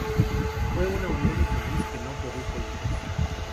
Fue una unión infeliz que no produjo hijos.